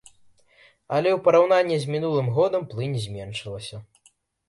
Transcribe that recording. Але ў параўнанні з мінулым годам плынь зменшылася.